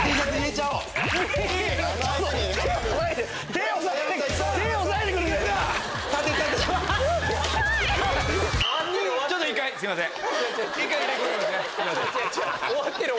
ちょっと一回すいません。